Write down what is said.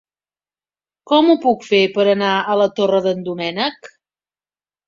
Com ho puc fer per anar a la Torre d'en Doménec?